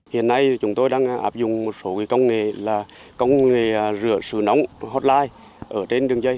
hiện nay chúng tôi đang áp dụng một số công nghệ là công nghệ rửa sửa nóng hotline ở trên đường dây